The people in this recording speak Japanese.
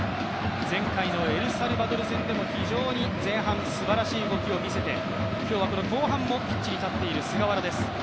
前回のエルサルバドル戦でも非常に前半、すばらしい動きを見せて今日は後半もピッチに立っている菅原です。